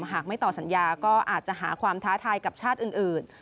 หากไม่ต่อสัญญาก็อาจจะหาความท้าทายกับชาติอื่น